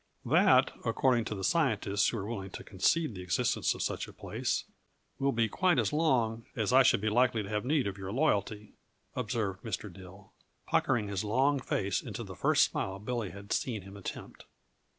"That, according to the scientists who are willing to concede the existence of such a place, will be quite as long as I shall be likely to have need of your loyalty," observed Mr. Dill, puckering his long face into the first smile Billy had seen him attempt.